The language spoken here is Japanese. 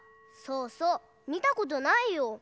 そうそうみたことないよ。